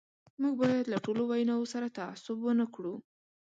موږ باید له ټولو ویناوو سره تعصب ونه کړو.